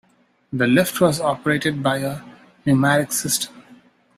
The lift was operated by a pneumatic system.